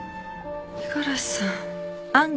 五十嵐さん。